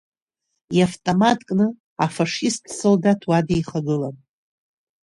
Иавтомат кны афашисттә солдаҭ уа дихагылан…